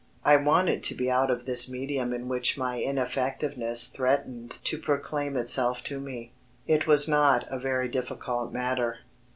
I wanted to be out of this medium in which my ineffectiveness threatened to proclaim itself to me. It was not a very difficult matter.